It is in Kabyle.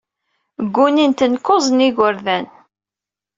Ggunin-ten kuẓ n yigerdan.